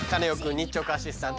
日直アシスタント